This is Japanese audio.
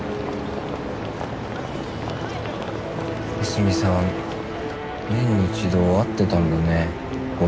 江角さん年に一度会ってたんだね五藤と。